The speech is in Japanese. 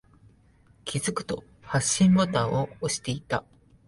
気づくと、発信ボタンを押していた。